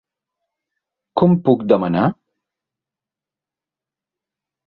Com puc demanar!?